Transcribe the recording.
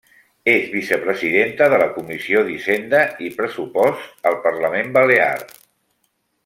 És vicepresidenta de la Comissió d'Hisenda i Pressuposts al Parlament Balear.